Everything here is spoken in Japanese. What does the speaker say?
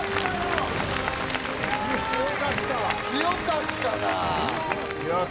強かったなあ。